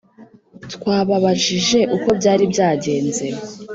Twababajije uko byari byagenze